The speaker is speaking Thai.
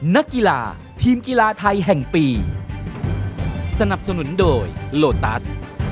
นักกีฬาทีมกีฬาไทยแห่งปีสนับสนุนโดยโลตัส